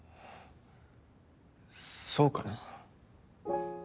そうかな。